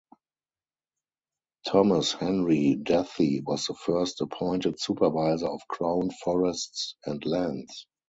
Thomas Henry Duthie was the first appointed Supervisor of Crown Forests and Lands.